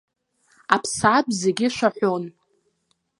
Аԥсаатә зегьы шәаҳәон.